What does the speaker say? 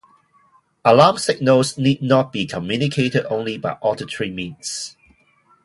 Alarm signals need not be communicated only by auditory means.